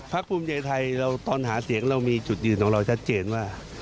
ภูมิใจไทยตอนหาเสียงเรามีจุดยืนของเราชัดเจนว่า